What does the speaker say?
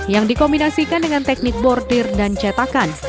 yang dikombinasikan dengan teknik bordir dan cetakan